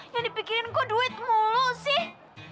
yang dipikirin gua duit mulu sih